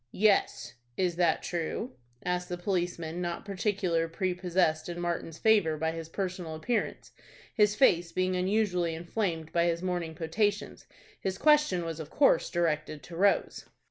"Yes." "Is that true?" asked the policeman, not particularly prepossessed in Martin's favor by his personal appearance, his face being unusually inflamed by his morning potations. His question was of course directed to Rose.